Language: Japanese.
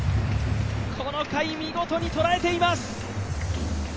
この回、見事に捉えています！